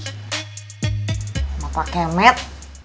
sama pak kemet